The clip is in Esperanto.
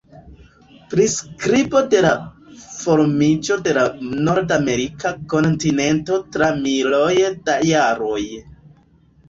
Priskribo de la formiĝo de la nordamerika kontinento tra miloj da jaroj.